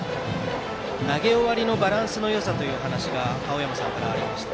投げ終わりのバランスのよさという話が青山さんからありました。